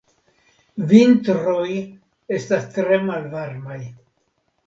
Vintroj estas tre malvarmaj.